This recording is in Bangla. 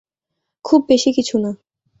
খুব বেশি কিছু না।